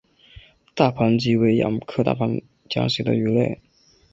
大盘䲟为䲟科大盘䲟属的鱼类。